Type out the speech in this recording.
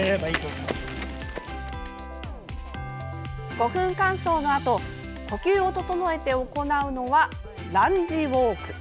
５分間走のあと呼吸を整えて行うのはランジウォーク。